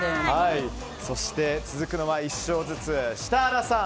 そして、続くのは１勝ずつシタラさん